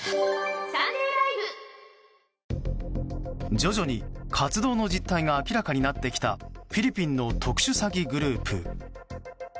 徐々に活動の実態が明らかになってきたフィリピンの特殊詐欺グループ。